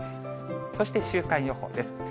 そして週間予報です。